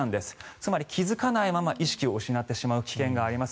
つまり、気付かないまま意識を失う危険があります。